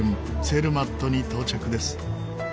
ツェルマットに到着です。